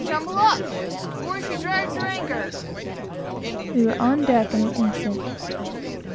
tumble up! before she drags her anchor." We were on deck in an instant.